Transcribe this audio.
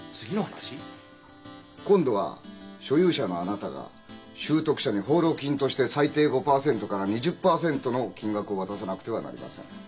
今度は所有者のあなたが拾得者に報労金として最低５％から２０％の金額を渡さなくてはなりません。